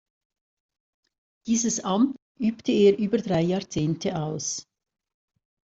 Dieses Amt übte er über drei Jahrzehnte aus.